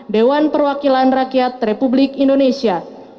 dewan perwakilan rakyat republik indonesia